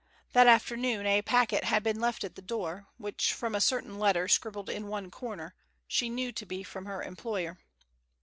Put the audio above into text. That afternoon, a packet had been left at the door, which, from a certain letter scribbled in one corner, she knew to be from her employer.